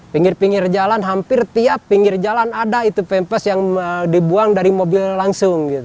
pinggir pinggir jalan hampir tiap pinggir jalan ada itu pempes yang dibuang dari mobil langsung